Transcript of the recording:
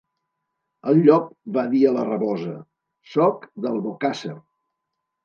El llop va dir a la rabosa: «Soc d'Albocàsser».